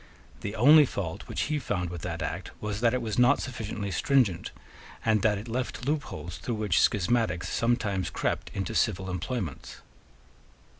The only fault which he found with that Act was that it was not sufficiently stringent, and that it left loopholes through which schismatics sometimes crept into civil employments.